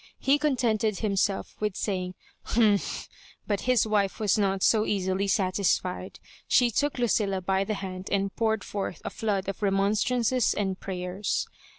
He contented bimsell' with saying "humph;" but his wife was not so easily satisfied. She took Lucilla by the hand and poured forth a flood of remonstrances ana prayers.